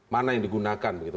mana yang digunakan begitu